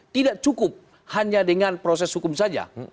tidak cukup hanya dengan proses hukum saja